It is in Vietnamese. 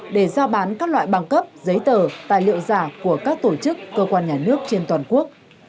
để giao bán các loại bằng cấp giấy tờ tài liệu giả của các tổ chức cơ quan nhà nước trên toàn quốc